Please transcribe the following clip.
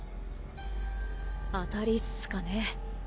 当たりっすかね。